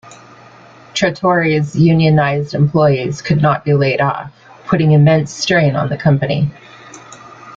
Trattori's unionised employees could not be laid off, putting immense strain on the company.